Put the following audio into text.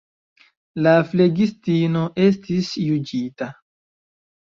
La flegistino estis juĝita.